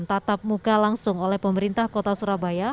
tatap muka langsung oleh pemerintah kota surabaya